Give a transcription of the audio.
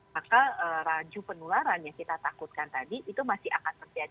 maka raju penularan yang kita takutkan tadi itu masih akan terjadi